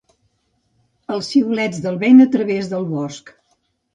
Els xiulets del vent a través del bosc.